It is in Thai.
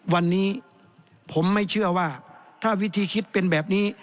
วันนี้ผมไม่เชื่อว่าถ้าวิธีคิดเป็นแบบนี้